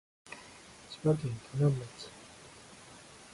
千葉県鋸南町